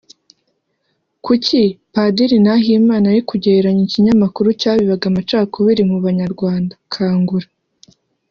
Kuki Padiri Nahimana ari kugereranya ikinyamakuru cyabibaga amacakubiri mu banyarwanda Kangura